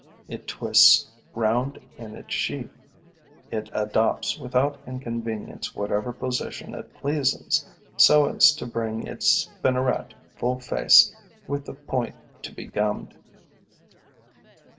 It twists round in its sheath; it adopts without inconvenience whatever position it pleases, so as to bring its spinneret full face with the point to be gummed.